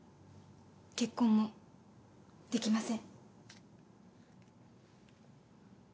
結婚もできません。